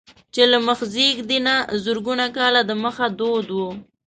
چې له مخزېږدي نه زرګونه کاله دمخه دود و.